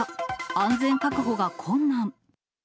安全確保が困難。